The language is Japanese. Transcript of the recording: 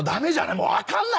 もう分かんない。